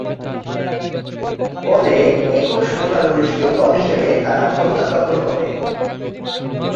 ফলে একক সংখ্যাগরিষ্ঠ দল হিসেবে তারা ক্ষমতা দখল করে।